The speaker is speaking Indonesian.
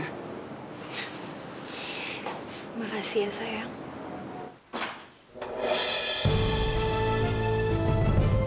makasih ya sayang